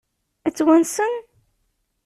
Ad tt-wansen?